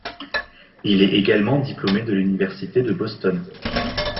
Il est également diplômé de l'université de Boston.